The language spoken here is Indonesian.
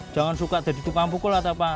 jangan suka jadi tukang pukul atau apa